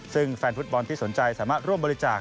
ซึ่งแฟนฟุตบอลที่สนใจสามารถร่วมบริจาค